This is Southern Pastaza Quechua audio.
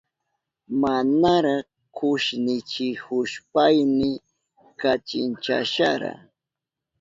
Manara kushnichihushpayni kachinchashara.